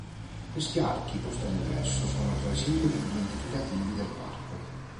Questi archi posti all'ingresso sono tra i simboli più identificativi del parco.